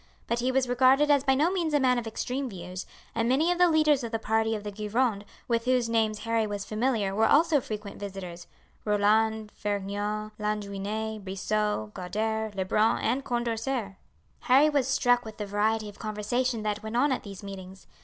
But he was regarded as by no means a man of extreme views, and many of the leaders of the party of the Gironde with whose names Harry was familiar were also frequent visitors Roland, Vergniaud, Lanjuinais, Brissot, Guader, Lebrun, and Condorcer. Harry was struck with the variety of conversation that went on at these meetings.